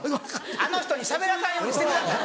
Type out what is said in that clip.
あの人にしゃべらさんようにしてください！